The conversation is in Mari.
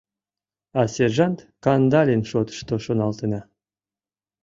А сержант Кандалин шотышто шоналтена.